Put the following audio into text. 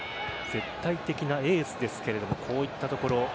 絶対的なエースですがこういったところ。